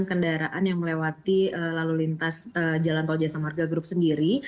kendaraan yang melewati lalu lintas jalan tol jasa marga group sendiri